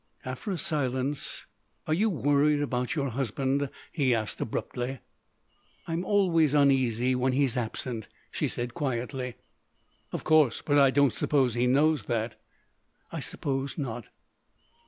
After a silence: "Are you worried about your husband?" he asked abruptly. "I am always uneasy when he is absent," she said quietly. "Of course.... But I don't suppose he knows that." "I suppose not."